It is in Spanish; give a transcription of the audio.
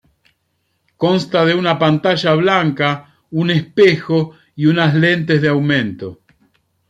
Consta de una pantalla blanca, un espejo y unas lentes de aumento.